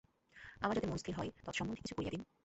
আমার যাতে মন স্থির হয়, তৎসম্বন্ধে কিছু করিয়া দিন।